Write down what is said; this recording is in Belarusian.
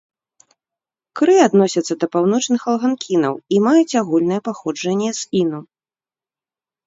Кры адносяцца да паўночных алганкінаў і маюць агульнае паходжанне з іну.